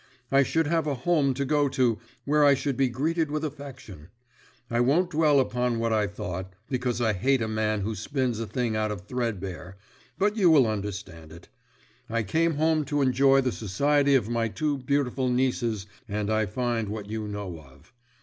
I should have a home to go to where I should be greeted with affection. I won't dwell upon what I thought, because I hate a man who spins a thing out threadbare, but you will understand it. I came home to enjoy the society of my two beautiful nieces, and I find what you know of.